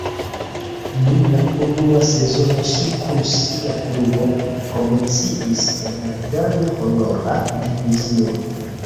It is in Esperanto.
Dum la unua sezono ŝi kun sia klubo promociis al la dana honora divizio.